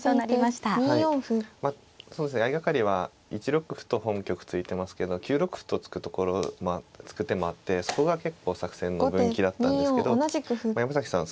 相掛かりは１六歩と本局突いてますけど９六歩と突くところ突く手もあってそこが結構作戦の分岐だったんですけど山崎さん